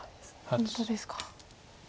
本当ですか。